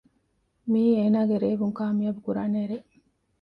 މިއީ އޭނާގެ ރޭވުން ކާމިޔާބު ކުރާނެ ރޭ